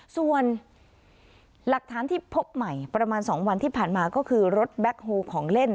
ส่วนหลักฐานที่พบใหม่ประมาณ๒วันที่ผ่านมาก็คือรถแบ็คโฮลของเล่น